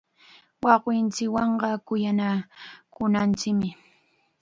Wawqinchikwanqa kuyanakunanchikmi.